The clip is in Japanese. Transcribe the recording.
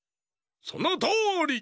そのとおり！